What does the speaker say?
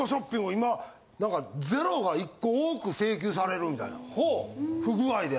今なんかゼロが１個多く請求されるみたいな不具合で。